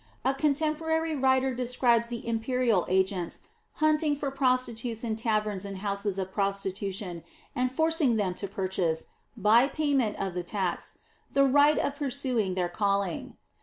A contemporary writer describes the imperial agents hunting for prostitutes in taverns and houses of prostitution, and forcing them to purchase, by payment of the tax, the right of pursuing their calling.